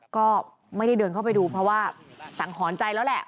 ก็ไม่ได้เดินเข้าไปดูเพราะว่าสังหรณ์ใจแล้วแหละ